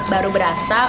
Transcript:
baru berasa berubah